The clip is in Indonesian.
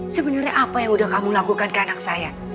sebenarnya apa yang sudah kamu lakukan ke anak saya